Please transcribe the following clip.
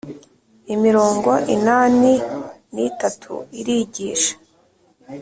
Imirongo inani n itatu irigisha